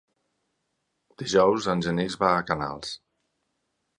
Dijous en Genís va a Canals.